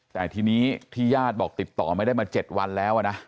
แต่ทีนี้ที่ญาติบอกติดต่อไม่ได้มา๗วันแล้วนะ